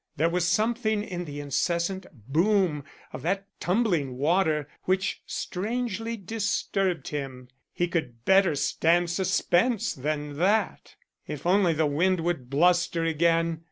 There was something in the incessant boom of that tumbling water which strangely disturbed him. He could better stand suspense than that. If only the wind would bluster again.